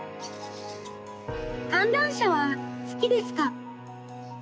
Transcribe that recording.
観覧車は好きですか？